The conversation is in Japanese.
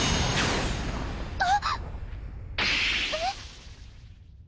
あっ⁉えっ